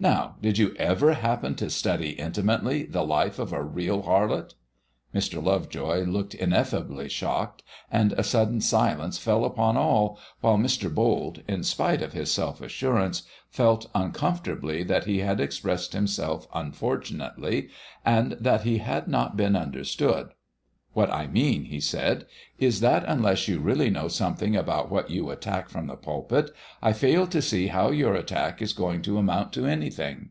Now, did you ever happen to study intimately the life of a real harlot?" Mr. Lovejoy looked ineffably shocked, and a sudden silence fell upon all, while Mr. Bold, in spite of his self assurance, felt uncomfortably that he had expressed himself unfortunately, and that he had not been understood. "What I mean," he said, "is that unless you really know something about what you attack from the pulpit, I fail to see how your attack is going to amount to anything.